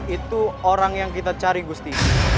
itu orang yang kita cari gusti